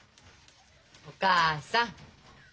お母さん？